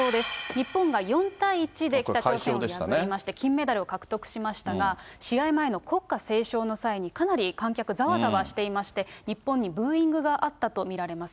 日本が４対１で北朝鮮を破りまして、金メダルを獲得しましたが、試合前の国歌斉唱の際に、かなり観客、ざわざわしていまして、日本にブーイングがあったと見られます。